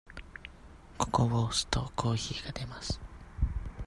ここを押すと、コーヒーが出ます。